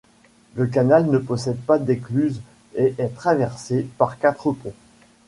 Le canal ne possède pas d'écluses et est traversé par quatre ponts.